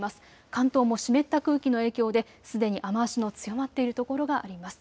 関東も湿った空気の影響ですでに雨足の強まっている所があります。